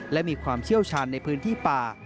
และมีความเชี่ยวชาญในพื้นที่ป่า